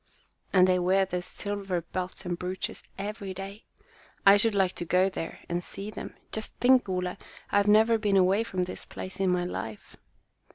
And they wear their silver belts and brooches every day. I should like to go there and see them. Just think, Ole, I've never been away from this place in my life!"